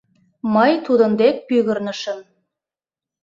Мый тудын дек пӱгырнышым.